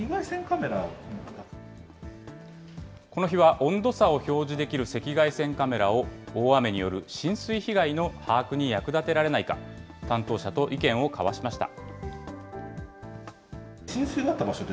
この日は温度差を表示できる赤外線カメラを大雨による浸水被害の把握に役立てられないか、担当者と意見を交わしました。